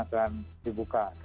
dan di buka